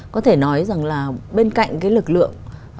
có thể nói rằng là bên cạnh cái lực lượng